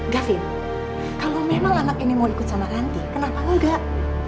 gavin kalau memang anak ini mau ikut sama ranti kenapa enggak